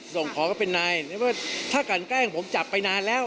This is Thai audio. ส่งของเขาก็เป็นนายถ้ากันแกล้งผมจับไปนานแล้ว